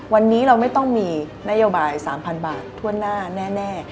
วันนี้เราไม่ต้องมีนโยบาย๓๐๐๐บาททั่วหน้าแน่